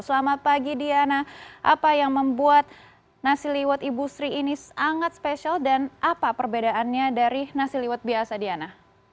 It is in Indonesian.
selamat pagi diana apa yang membuat nasi liwet ibu sri ini sangat spesial dan apa perbedaannya dari nasi liwet biasa diana